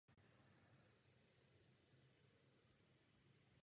Investorem je státní podnik Lesy České republiky.